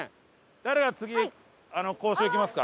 誰が次交渉行きますか？